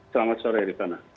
selamat sore ritana